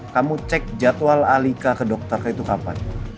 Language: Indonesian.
kamu cek jadwal alika ke dokter itu kapan